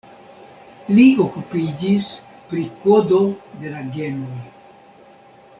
Li okupiĝis pri kodo de la genoj.